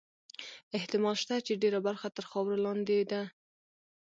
احتمال شته چې ډېره برخه تر خاورو لاندې ده.